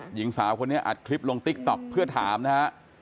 หญิงสาวคนนี้อัดคลิปลงติ๊กต๊อกเพื่อถามนะฮะ